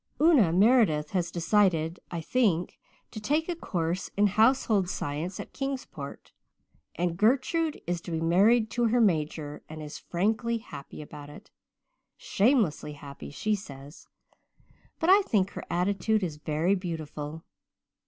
Una Meredith has decided, I think, to take a course in Household Science at Kingsport and Gertrude is to be married to her Major and is frankly happy about it 'shamelessly happy' she says; but I think her attitude is very beautiful.